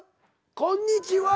こんにちは。